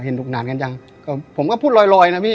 ถูกหนานกันจังก็ผมก็พูดลอยลอยนะพี่